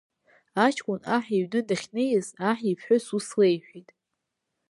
Аҷкәын аҳ иҩны дахьнеиз, аҳ иԥҳәыс ус леиҳәеит…